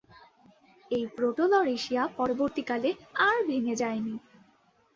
এই প্রোটো-লরেশিয়া পরবর্তীকালে আর ভেঙে যায়নি।